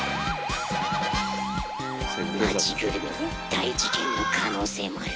町ぐるみの大事件の可能性もある。